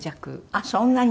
あっそんなに？